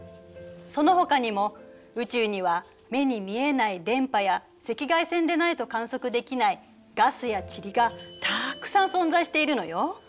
そのほかにも宇宙には目に見えない電波や赤外線でないと観測できないガスや塵がたくさん存在しているのよ。